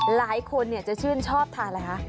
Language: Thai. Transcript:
หลายคนจะชื่นชอบทานอะไรคะ